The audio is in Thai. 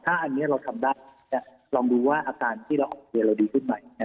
ถ้าอันนี้เราทำได้ลองดูว่าอาการที่เราโอเคเราดีขึ้นไหม